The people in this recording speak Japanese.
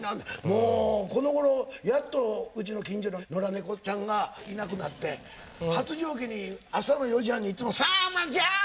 もうこのごろやっとうちの近所の野良猫ちゃんがいなくなって発情期に朝の４時半にいつも「さんまちゃん！」